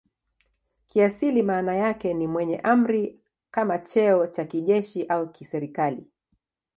Kiasili maana yake ni "mwenye amri" kama cheo cha kijeshi au kiserikali.